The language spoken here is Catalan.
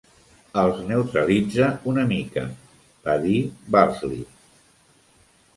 "Els neutralitza una mica", va dir Balsley.